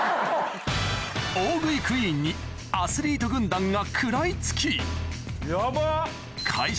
大食いクイーンにアスリート軍団が食らい付きヤバっ！